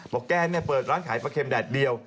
แกเปิดร้านขายปลาเค็มแดดเดียว